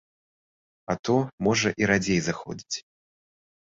А то, можа, і радзей заходзяць.